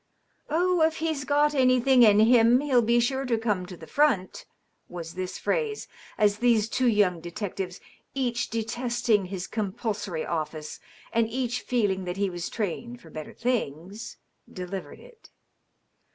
Oh, if he's got anything in him he'll be sure to come to the front," was this phrase, as these two young detectives (each detesting his compulsory office and each feeling that he was trained for better things) delivered it.